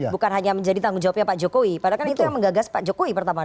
bukan hanya menjadi tanggung jawabnya pak jokowi padahal kan itu yang menggagas pak jokowi pertama